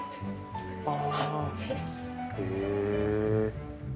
あぁへえ。